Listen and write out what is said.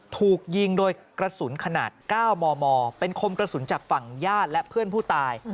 ถูกยิงโดยกระสุนขนาด๙มมเป็นคมกระสุนจากฝั่งญาติและเพื่อนผู้ตาย